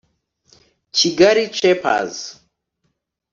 Kigali Shapers